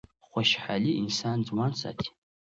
خوشحالي انسان ځوان ساتي.